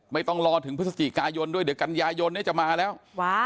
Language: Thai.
ไม่ต้องรอถึงพฤศจิกายนด้วยเดี๋ยวกันยายนเนี่ยจะมาแล้วว้า